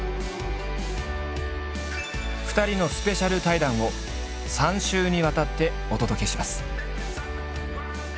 ２人のスペシャル対談を３週にわたってお届けします。